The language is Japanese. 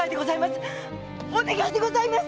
お願いでございます！